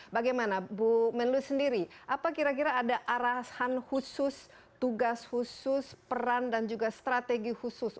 bagaimana bu menlu sendiri apa kira kira ada arahan khusus tugas khusus peran dan juga strategi khusus